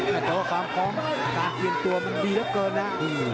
แต่ว่าความกร้องการเรียนตัวมันดีเยอะเกินนะครับ